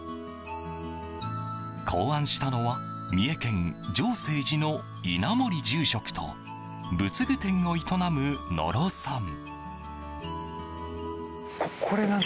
考案したのは三重県浄誓寺の稲森住職と仏具店を営む、野呂さん。